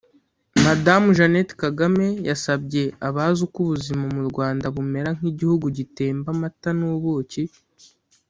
Madamu Jeannatte Kagame yasabye abazi uko ubuzima mu Rwanda bumera nk’igihugu gitemba amata n’ubuki